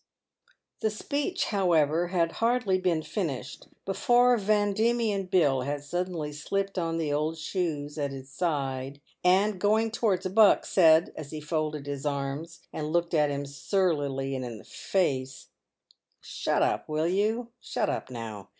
The speech, however, had hardly been finished before Van Diemen Bill had suddenly slipped on the old shoes at his side, and, going towards Buck, said, as he folded his arms and looked at him surlily in the face :" Shut up, will you— shut up, now